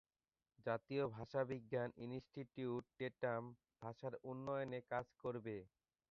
জাতীয় ভাষাবিজ্ঞান institute Tetum ভাষার উন্নয়নে কাজ করবে।